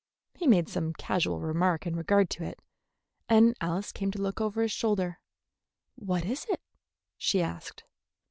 He made some casual remark in regard to it, and Alice came to look over his shoulder. "What is it?" she asked.